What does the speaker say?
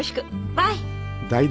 バイ！